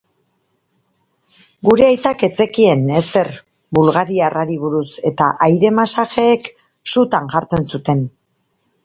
Gure aitak ez zekien ezer bulgariar hari buruz eta aire-masajeek sutan jartzen zuten.